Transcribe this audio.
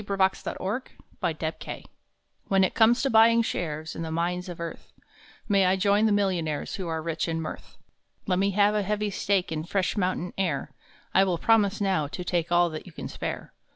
THE RICHER MINES T J[ 7HEN it comes to buying shares V V In the mines of earth, May I join the millionaires Who are rich in mirth. Let me have a heavy stake In fresh mountain air I will promise now to take All that you can spare.